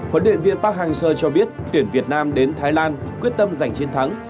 huấn luyện viên park hang seo cho biết tuyển việt nam đến thái lan quyết tâm giành chiến thắng